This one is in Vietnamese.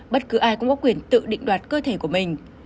bất cứ ai cũng có quyền tự định đoạt cơ thể của mình